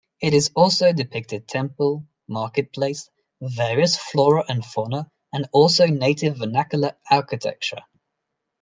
It also depicted temple, marketplace, various flora and fauna, and also native vernacular architecture.